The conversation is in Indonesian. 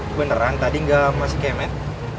neng beneran tadi nggak masih kemet